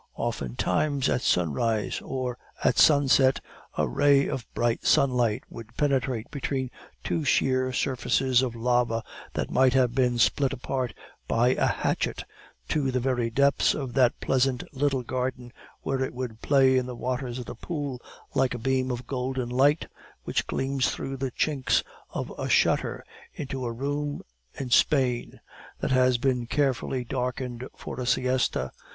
Oftentimes at sunrise or at sunset a ray of bright sunlight would penetrate between two sheer surfaces of lava, that might have been split apart by a hatchet, to the very depths of that pleasant little garden, where it would play in the waters of the pool, like a beam of golden light which gleams through the chinks of a shutter into a room in Spain, that has been carefully darkened for a siesta.